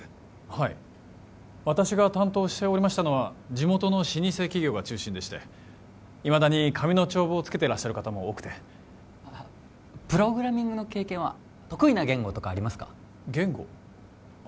はい私が担当しておりましたのは地元の老舗企業が中心でしていまだに紙の帳簿をつけていらっしゃる方も多くてプログラミングの経験は得意な言語とかありますか？